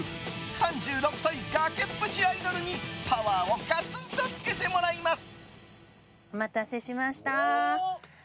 ３６歳崖っぷちアイドルにパワーをガツンとつけてもらいます！